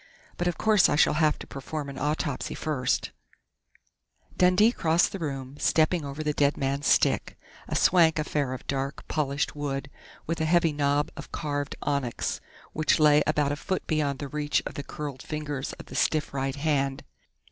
But of course I shall have to perform an autopsy first " Dundee crossed the room, stepping over the dead man's stick a swank affair of dark, polished wood, with a heavy knob of carved onyx, which lay about a foot beyond the reach of the curled fingers of the stiff right hand.